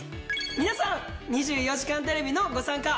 皆さん『２４時間テレビ』のご参加。